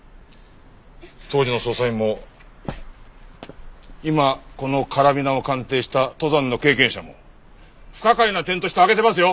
当時の捜査員も今このカラビナを鑑定した登山の経験者も不可解な点として挙げてますよ！